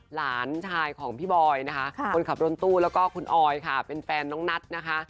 หลานชายของพี่บอยนะคะคนขับรถตู้แล้วก็คุณออยค่ะเป็นแฟนน้องนัทนะคะ